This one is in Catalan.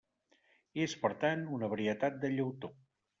És, per tant, una varietat de llautó.